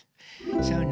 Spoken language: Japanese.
そうね